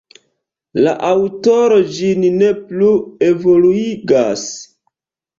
La aŭtoro ĝin ne plu evoluigas.